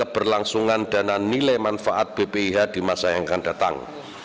keberlangsungan dana nilai manfaat bpih di masa yang akan datang